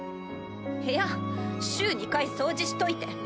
部屋週２回掃除しといて。